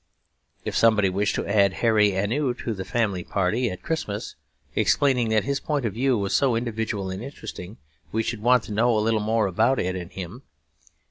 If somebody wished to add a Hairy Ainu to the family party at Christmas, explaining that his point of view was so individual and interesting, we should want to know a little more about it and him.